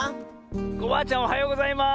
コバアちゃんおはようございます！